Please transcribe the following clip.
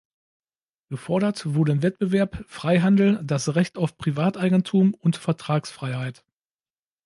Gefordert wurden Wettbewerb, Freihandel, das Recht auf Privateigentum und Vertragsfreiheit.